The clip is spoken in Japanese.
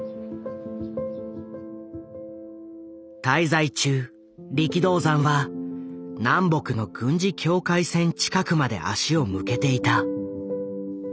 滞在中力道山は南北の軍事境界線近くまで足を向けていた。